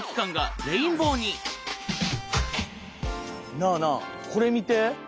なあなあこれ見て！